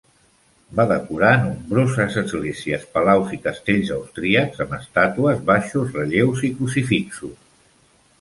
Va decorar nombroses esglésies, palaus i castells austríacs amb estàtues, baixos relleus i crucifixos.